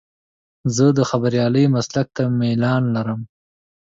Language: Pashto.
زه د خبریالۍ مسلک ته میلان لرم.